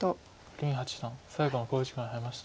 林八段最後の考慮時間に入りました。